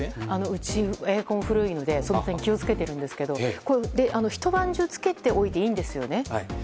うち、エアコンが古いので気を付けているんですけどひと晩中つけておいていいんですよね。